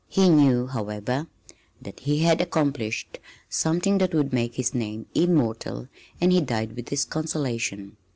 He knew, however, that he had accomplished something that would make his name immortal and he died with this consolation.